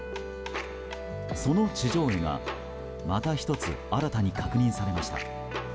その地上絵がまた１つ新たに確認されました。